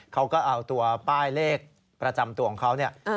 เขาก็เอาตัวป้ายเลขประจำตัวของเขาเนี่ย